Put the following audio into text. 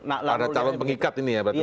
ada calon pengikat ini ya berarti